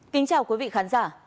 kính chào quý vị khán giả